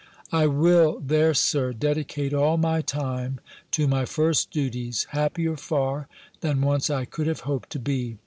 "I will there, Sir, dedicate all my time to my first duties; happier far, than once I could have hoped to be!